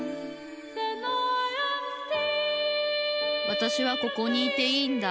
わたしはここにいていいんだ